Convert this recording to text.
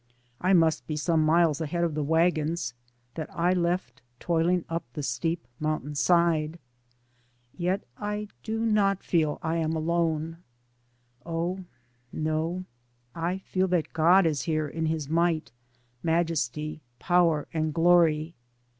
I must be some miles ahead of the wagons that I left toiling up the steep mountain side. Yet I do not feel that I am alone. Oh, no. I feel that God is here in his might, majesty, power and glory.